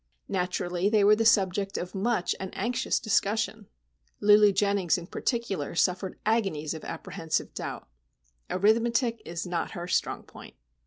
Naturally, they were the subject of much and anxious discussion. Lulu Jennings, in particular, suffered agonies of apprehensive doubt. Arithmetic is not her strong point.